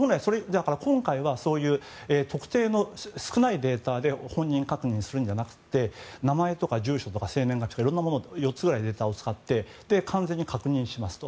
今回は、そういう特定の少ないデータで本人確認をするのではなくて名前とか住所とかいろんなもの４つぐらいのデータを使って完全に確認しますと。